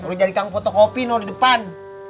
udah jadi kang fotokopi di depan